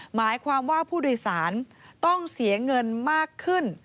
หมายความว่าผู้โดยสารต้องเสียเงินมากขึ้น